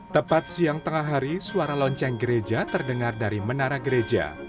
tepat siang tengah hari suara lonceng gereja terdengar dari menara gereja